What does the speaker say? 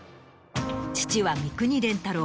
父は三國連太郎。